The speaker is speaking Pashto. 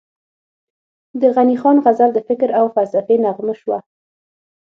د غني خان غزل د فکر او فلسفې نغمه شوه،